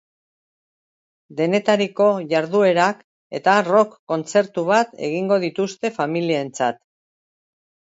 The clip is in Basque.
Denetariko jarduerak eta rock kontzertu bat egingo dituzte familientzat.